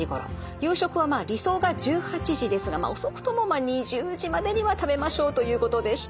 夕食はまあ理想が１８時ですが遅くとも２０時までには食べましょうということでした。